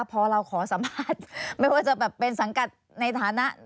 พอเราขอสัมภาษณ์ไม่ว่าจะแบบเป็นสังกัดในฐานะ